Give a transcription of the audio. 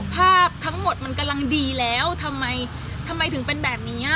ภาพทั้งหมดมันกำลังดีแล้วทำไมทำไมถึงเป็นแบบนี้